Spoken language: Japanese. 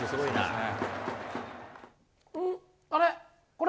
あれ？